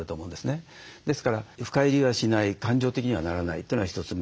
ですから深入りはしない感情的にはならないというのが１つ目。